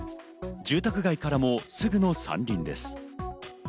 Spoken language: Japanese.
住宅街からもすぐそばの山林です。